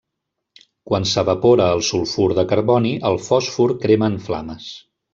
Quan s'evapora el sulfur de carboni el fòsfor crema en flames.